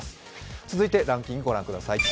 続いてランキングご覧ください。